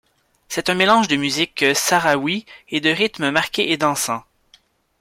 C'est un mélange de musique sahraoui et de rythmes marqués et dansants.